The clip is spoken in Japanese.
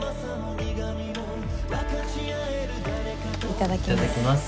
いただきます。